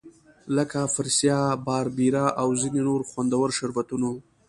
لکه فریسا، باربیرا او ځیني نور خوندور شربتونه وو.